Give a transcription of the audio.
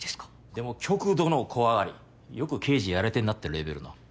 でも極度の怖がりよく刑事やれてんなってレベルの。